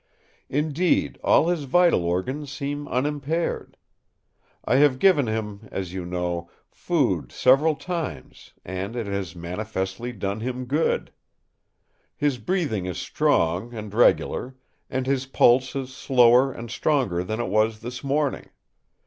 Indeed, all his vital organs seem unimpaired. I have given him, as you know, food several times and it has manifestly done him good. His breathing is strong and regular, and his pulse is slower and stronger than it was this morning.